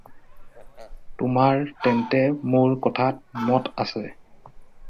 তোমাৰ তেন্তে মোৰ কথাত মত আছে?